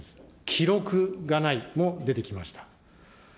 記録がないも出てきました。